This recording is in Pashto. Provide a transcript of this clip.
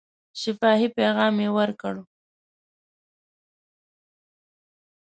شفاهي پیغام یې ورکړ.